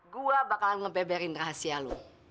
gue bakalan ngebeberin rahasia lu